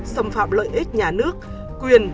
xâm phạm lợi ích nhà nước quyền